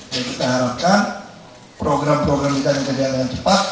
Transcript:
jadi kita harapkan program program kita akan kerjakan dengan cepat